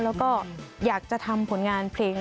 แล้วก็อยากจะทำผลงานเพลง